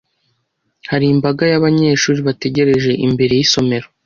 Hari imbaga y'abanyeshuri bategereje imbere y'isomero.